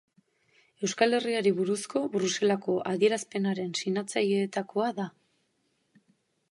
Euskal Herriari buruzko Bruselako Adierazpenaren sinatzaileetakoa da.